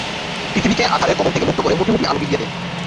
পৃথিবীকে আঁধারের কবল থেকে মুক্ত করে মুঠি মুঠি আলো বিলিয়ে দেয়।